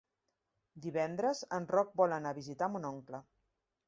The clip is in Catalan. Divendres en Roc vol anar a visitar mon oncle.